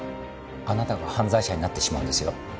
あなたが犯罪者になってしまうんですよ。